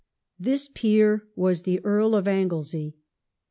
This peer was the Earl of Anglesey.